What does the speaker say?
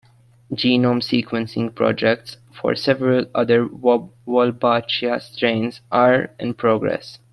Genome sequencing projects for several other "Wolbachia" strains are in progress.